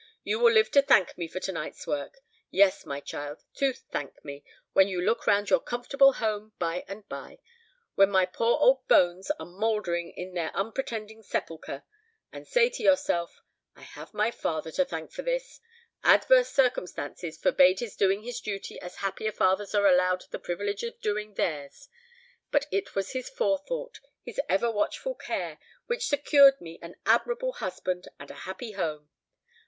You will live to thank me for to night's work; yes, my child, to thank me, when you look round your comfortable home by and by when my poor old bones are mouldering in their unpretending sepulchre and say to yourself, 'I have my father to thank for this. Adverse circumstances forbade his doing his duty as happier fathers are allowed the privilege of doing theirs, but it was his forethought, his ever watchful care, which secured me an admirable husband and a happy home.'